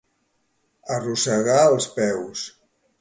Arrossegar els peus.